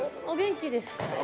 お元気ですか？